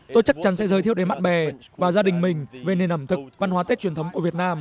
tôi chắc chắn sẽ giới thiệu đến bạn bè và gia đình mình về nền ẩm thực văn hóa tết truyền thống của việt nam